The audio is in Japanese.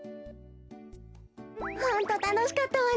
ホントたのしかったわね。